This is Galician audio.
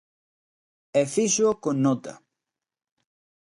E fíxoo con nota.